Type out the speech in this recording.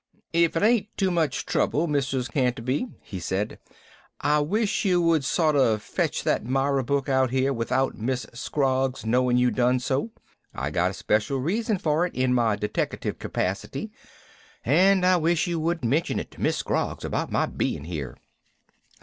"If it ain't too much trouble, Mrs. Canterby," he said, "I wish you would sort of fetch that Myra book out here without Miss Scroggs's knowing you done so. I got a special reason for it, in my deteckative capacity. And I wish you wouldn't mention to Miss Scroggs about my being here."